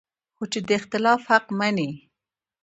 خو چې د اختلاف حق مني